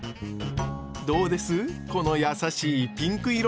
どうですこの優しいピンク色。